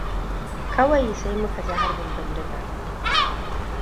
Kawai sai muka ji harbin bindiga.